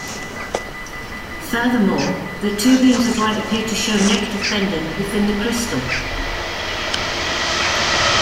Furthermore, the two beams of light appear to show negative bending within the crystal.